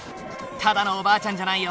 ただのおばあちゃんじゃないよ。